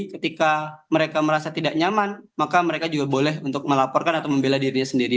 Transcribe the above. ketika mereka merasa tidak nyaman maka mereka juga boleh untuk melaporkan atau membela dirinya sendiri